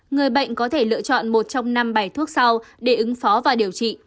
người bệnh có thể lựa chọn một trong năm bảy thuốc sau để ứng phó và điều trị